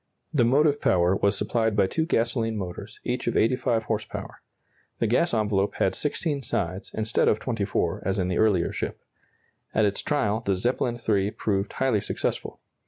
The motive power was supplied by two gasoline motors, each of 85 horse power. The gas envelope had 16 sides, instead of 24, as in the earlier ship. At its trial the Zeppelin III proved highly successful.